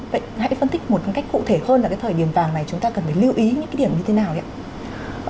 vậy hãy phân tích một cách cụ thể hơn là cái thời điểm vàng này chúng ta cần phải lưu ý những cái điểm như thế nào đấy ạ